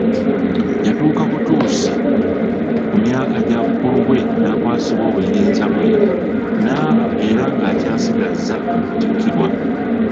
Yatuuka butuusi ku myaka gya bukulu bwe n'akwasibwa obuyinza bwe, n'aba era ng'akyasigazza okutikkirwa.